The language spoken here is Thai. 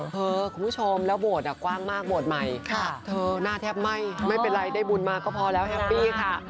คุณผู้ชมแล้วโบสถ์กว้างมากโบสถ์ใหม่เธอหน้าแทบไหม้ไม่เป็นไรได้บุญมาก็พอแล้วแฮปปี้ค่ะ